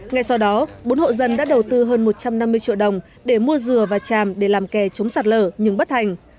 ngay sau đó bốn hộ dân đã đầu tư hơn một trăm năm mươi triệu đồng để mua dừa và chàm để làm kè chống sạt lở nhưng bất hành